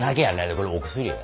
これお薬や。